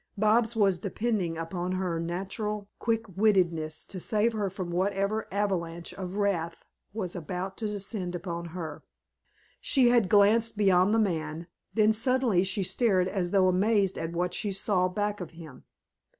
Bobs was depending upon her natural quick wittedness to save her from whatever avalanche of wrath was about to descend upon her. She had glanced beyond the man, then suddenly she stared as though amazed at what she saw back of him.